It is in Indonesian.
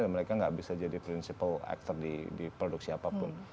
dan mereka gak bisa jadi principal actor di produksi apapun